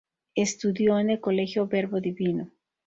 Estudio en el Colegio Verbo Divino.